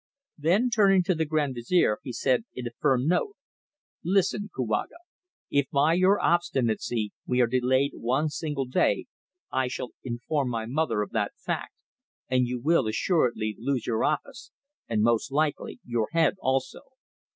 Then turning to the Grand Vizier he said in a firm tone: "Listen, Kouaga. If by your obstinacy we are delayed one single day, I shall inform my mother of that fact, and you will assuredly lose your office and most likely your head also.